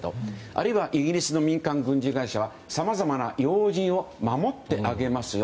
あるいはイギリスの民間軍事会社は要人を守ってあげますよ。